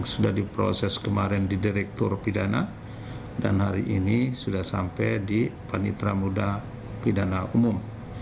sudah diproses kemarin di direktur pidana dan hari ini sudah sampai di panitra muda pidana umum